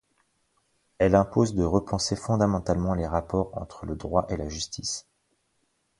Elle impose de repenser fondamentalement les rapports entre le droit et la justice.